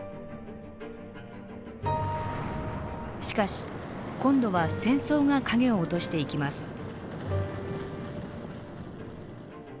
しかし今度は戦争が影を落としていきます。